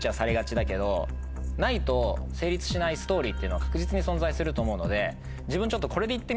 ないと成立しないストーリーっていうのは確実に存在すると思うので自分ちょっと。